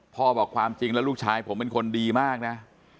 พ่อบอกความจริงแล้วลูกชายผมเป็นคนดีมากนะ